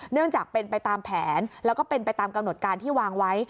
เนื่องจากเป็นไปตามแผนแล้วก็เป็นไปตามกำหนดการที่วางไว้